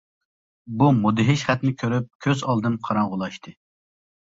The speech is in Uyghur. بۇ مۇدھىش خەتنى كۆرۈپ كۆز ئالدىم قاراڭغۇلاشتى.